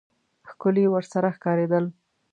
ښکلي ورسره ښکارېدل.